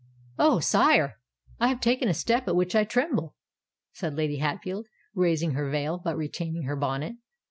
"Oh! sire, I have taken a step at which I tremble," said Lady Hatfield, raising her veil, but retaining her bonnet.